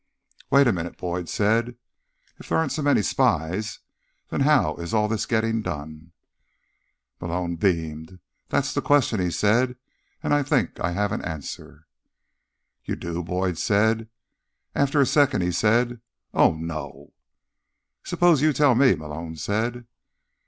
"Wait a minute," Boyd said. "If there aren't so many spies, then how is all this getting done?" Malone beamed. "That's the question," he said. "And I think I have an answer." "You do?" Boyd said. After a second he said: "Oh, no." "Suppose you tell me," Malone said.